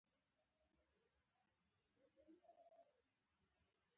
بوټونه د پوځي جامو برخه وي.